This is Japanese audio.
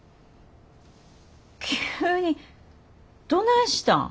急にどないしたん？